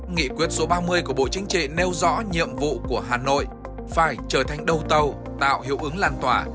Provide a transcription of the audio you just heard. nghị quyết số ba mươi của bộ chính trị nêu rõ nhiệm vụ của hà nội phải trở thành đầu tàu tạo hiệu ứng lan tỏa